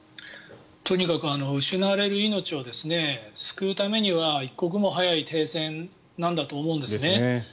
とにかく失われる命を救うためには一刻も早い停戦なんだと思うんですね。